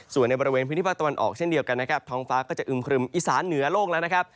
ส่วนในบริเวณพื้นที่พระตะวันออกเช่นเดียวกันท้องฟ้าก็จะอึมครึมอิสานเหนือโลกแล้ว